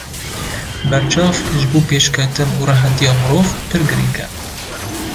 Berçavk ji bo pêşketin û rehetiya mirov pir girîng e.